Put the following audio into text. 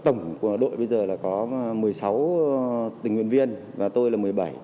tổng của đội bây giờ là có một mươi sáu tình nguyện viên và tôi là một mươi bảy